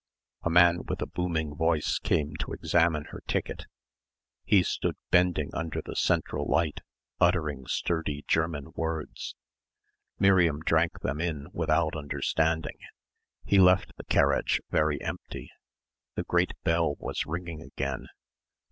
A man with a booming voice came to examine her ticket. He stood bending under the central light, uttering sturdy German words. Miriam drank them in without understanding. He left the carriage very empty. The great bell was ringing again.